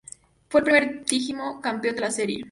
Fue el primer digimon campeón de la serie.